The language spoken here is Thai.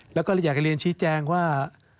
แล้วก็อยากจะเรียนชี้แจงว่า